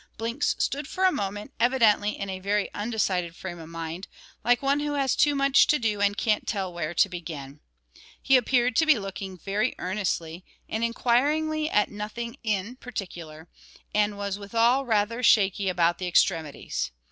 Blinks stood for a moment, evidently in a very undecided frame of mind, like one who has too much to do and can't tell where to begin. He appeared to be looking very earnestly, and inquiringly at nothing in particular, and was withal rather shaky about the extremities.